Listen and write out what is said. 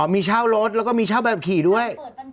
มีเช่ารถแล้วก็มีเช่าแบบขี่ด้วย